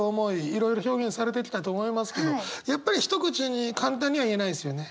いろいろ表現されてきたと思いますけどやっぱり一口に簡単には言えないですよね。